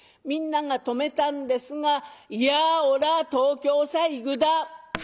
みんなが止めたんですが「いやおら東京さ行ぐだ」。